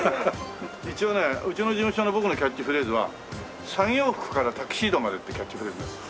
一応ねうちの事務所の僕のキャッチフレーズは「作業服からタキシードまで」ってキャッチフレーズ。